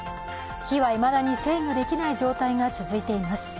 火はいまだに制御できない状態が続いています。